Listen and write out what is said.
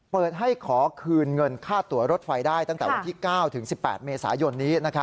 เปิดให้ขอคืนเงินค่าตัวรถไฟได้ตั้งแต่วันที่๙ถึง๑๘เมษายนนี้